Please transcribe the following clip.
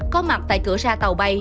có mặt tại cửa sa tàu bay